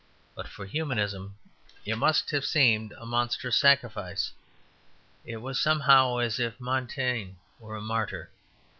But for Humanism it must have seemed a monstrous sacrifice; it was somehow as if Montaigne were a martyr.